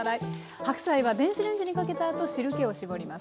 白菜は電子レンジにかけたあと汁けを絞ります。